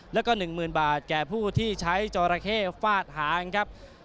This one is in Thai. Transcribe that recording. แล้วก็๑๐๐๐บาทแก่ผู้ที่ใช้จอราเข้ฟาดหางครับ